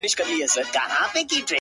• هغه وه تورو غرونو ته رويا وايي؛